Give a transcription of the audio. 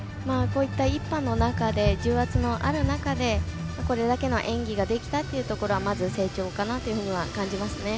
こういった１班の中で重圧のある中でこれだけの演技ができたというのはまず成長かなというふうには感じますね。